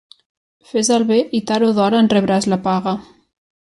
Fes el bé i tard o d'hora en rebràs la paga.